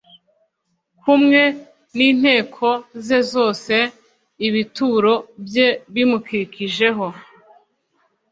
kumwe n inteko ze zose ibituro bye bimukikijeho